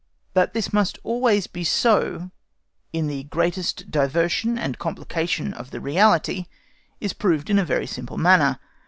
That this must always be so in the greatest diversity and complication of the reality is proved in a very simple manner.